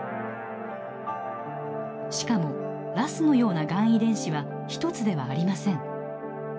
しかもＲＡＳのようながん遺伝子は１つではありません。